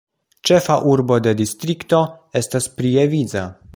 Ĉefa urbo de distrikto estas Prievidza.